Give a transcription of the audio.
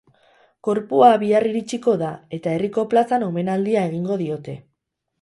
Gorpua bihar iritsiko da, eta herriko plazan, omenaldia egingo diote.